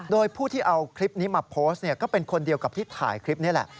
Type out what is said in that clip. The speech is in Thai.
โดยผู้ที่เอาคลิปนี้มาโพสต์ก็เป็นคนเดียวกับที่ถ่ายคลิปนี้แหละ